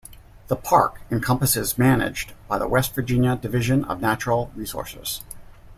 The park encompasses managed by the West Virginia Division of Natural Resources.